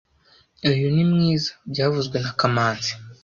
Uyu ni mwiza byavuzwe na kamanzi